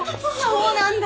そうなんだよ！